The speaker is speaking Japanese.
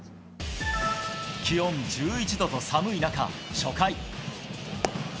気温１１度と寒い中、初回。